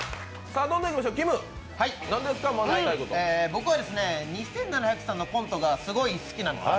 僕は２７００さんのコントがすごい好きなんです。